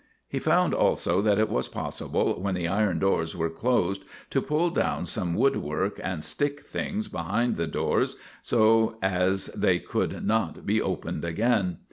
He found also that it was possible when the iron doors were closed to pull down some wood work, and stick things behind the doors so as they could not be opened again.